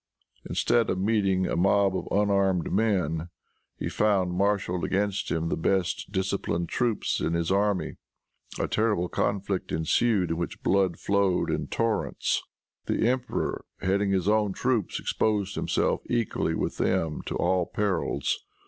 Instead of meeting a mob of unarmed men, he found marshaled against him the best disciplined troops in his army. A terrible conflict ensued, in which blood flowed in torrents. The emperor, heading his own troops, exposed himself, equally with them, to all perils.